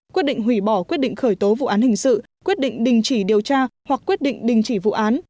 quyết định hủy bỏ quyết định khởi tố vụ án hình sự quyết định đình chỉ điều tra hoặc quyết định đình chỉ vụ án